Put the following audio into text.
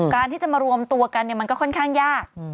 การที่จะมารวมตัวกันมันก็ค่อนข้างยาก